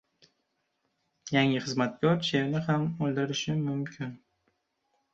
• Yangi xizmatkor sherni ham o‘ldirishi mumkin.